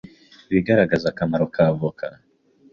ibigaragaza akamaro k’avoka